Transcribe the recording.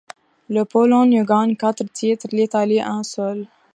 La Pologne gagne quatre titres, l'Italie un seul.